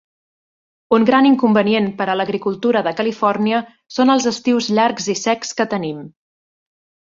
Un gran inconvenient per a l'agricultura de Califòrnia són els estius llargs i secs que tenim.